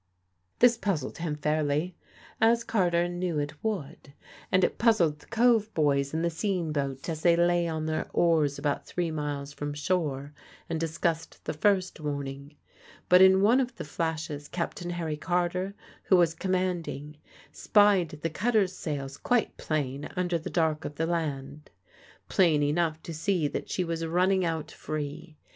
This puzzled him fairly, as Carter knew it would. And it puzzled the Cove boys in the sean boat as they lay on their oars about three miles from shore and discussed the first warning. But in one of the flashes Captain Harry Carter, who was commanding, spied the cutter's sails quite plain under the dark of the land, plain enough to see that she was running out free.